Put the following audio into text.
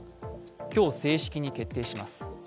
今日、正式に決定します。